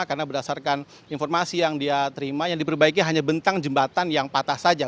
karena berdasarkan informasi yang dia terima yang diperbaiki hanya bentang jembatan yang patah saja